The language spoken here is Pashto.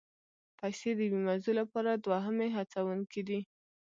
پیسې د یوې موضوع لپاره دوهمي هڅوونکي دي.